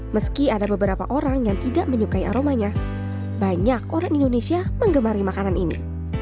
meski ada beberapa orang yang tidak menyukai aromanya banyak orang indonesia mengemari makanan ini